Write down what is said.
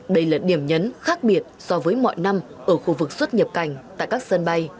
đây là điểm nhấn khác biệt so với mọi năm ở khu vực xuất nhập cảnh tại các sân bay